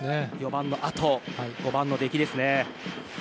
４番のあと、５番の出来ですね。